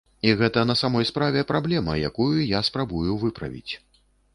І гэта на самой справе праблема, якую я спрабую выправіць.